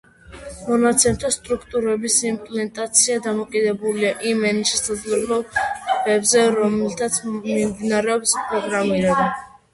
მონაცემთა სტრუქტურების იმპლემენტაცია დამოკიდებულია იმ ენის შესაძლებლობებზე, რომლითაც მიმდინარეობს პროგრამირება.